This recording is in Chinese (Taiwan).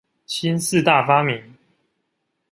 新四大發明